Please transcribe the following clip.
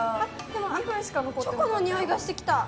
でもチョコのにおいがしてきた。